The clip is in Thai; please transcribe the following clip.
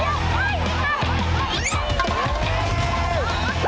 อีกแล้ว